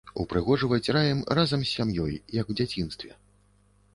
Упрыгожваць раім разам з сям'ёй, як у дзяцінстве.